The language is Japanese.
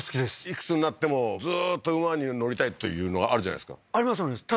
いくつになってもずーっと馬に乗りたいっていうのはあるじゃないですかありますあります